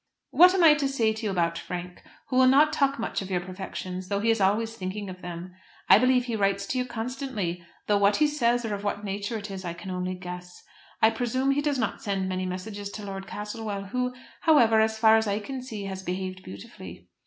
What am I to say to you about Frank, who will not talk much of your perfections, though he is always thinking of them? I believe he writes to you constantly, though what he says, or of what nature it is, I can only guess. I presume he does not send many messages to Lord Castlewell, who, however, as far as I can see, has behaved beautifully.